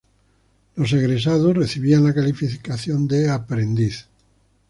Los egresados recibían la calificación de "aprendiz".